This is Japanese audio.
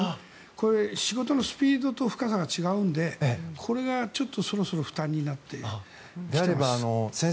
これ仕事のスピードと深さが違うのでこれが、そろそろ負担になってきています。